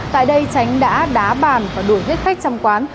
tại đây tránh đã đá bàn và đuổi viết cách chăm quán